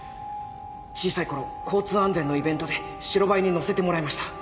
小さいころ交通安全のイベントで白バイに乗せてもらいました。